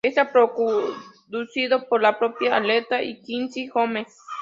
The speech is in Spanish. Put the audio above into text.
Está coproducido por la propia Aretha y Quincy Jones.